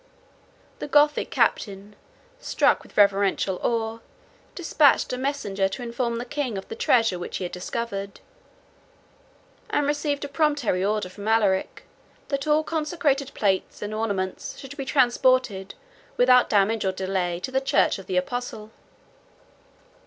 The Gothic captain, struck with reverential awe, despatched a messenger to inform the king of the treasure which he had discovered; and received a peremptory order from Alaric, that all the consecrated plate and ornaments should be transported, without damage or delay, to the church of the apostle.